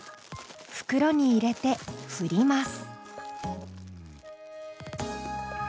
袋に入れてふります。